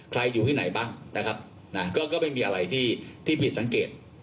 อยู่ที่ไหนบ้างนะครับนะก็ไม่มีอะไรที่ผิดสังเกต